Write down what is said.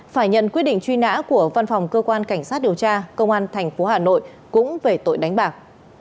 phải nhận quyết định truy nã của văn phòng cơ quan cảnh sát điều tra công an tp hà nội cũng về tội đánh bạc